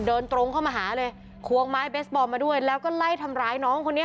เดินตรงเข้ามาหาเลยควงไม้เบสบอลมาด้วยแล้วก็ไล่ทำร้ายน้องคนนี้